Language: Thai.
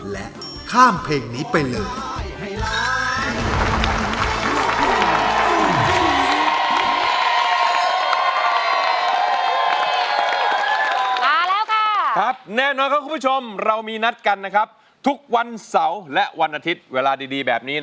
และข้ามเพลงนี้ไปเลย